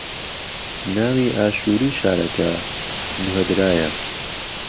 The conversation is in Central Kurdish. ناوی ئاشوری شارەکە نوھەدرایە